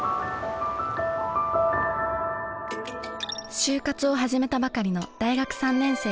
就活を始めたばかりの大学３年生。